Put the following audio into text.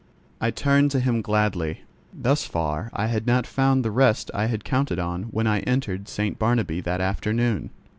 I turned to him gladly. Thus far I had not found the rest I had counted on when I entered St. Barnabķ that afternoon.